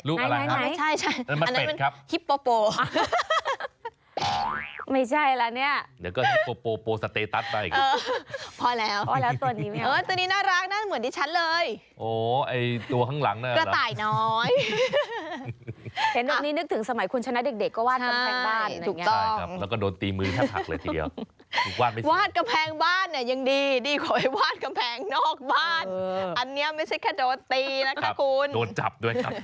รูปอะไรครับอันนั้นมัดเป็ดครับน้อยน้อยน้อยน้อยน้อยน้อยน้อยน้อยน้อยน้อยน้อยน้อยน้อยน้อยน้อยน้อยน้อยน้อยน้อยน้อยน้อยน้อยน้อยน้อยน้อย